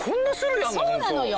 そうなのよ。